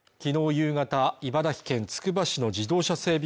夕方茨城県つくば市の自動車整備